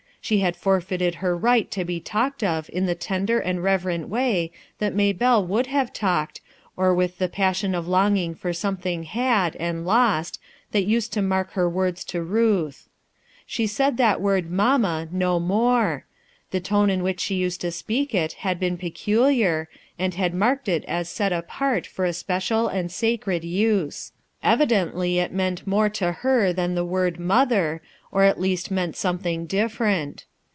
she had forfeited her right to be talked of in the tender and reverent way that Hay belle would have talked, or with the passion of longing for something had, and lost, that used to mark her "TWO, AND TWO, AND TWO" 3S9 words to Ruth. She said that word " m no more; the tone in which she used tT^L, it had been peculiar, and had marked it a apart for a special and sacred use. Evidential meant more to her than the word "mother" or at least meant something different.